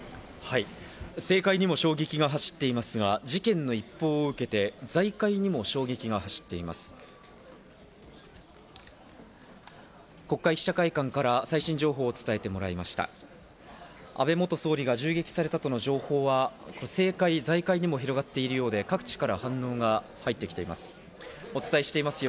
政界にも衝撃が走っていますが事件の一報を受けて、財界にも衝撃が走っています。